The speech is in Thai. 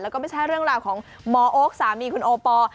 แล้วก็ไม่ใช่เรื่องราวของหมอโอ๊คสามีคุณโอปอล